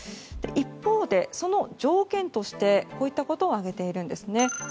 一方で、その条件としてこういったことを挙げているんです。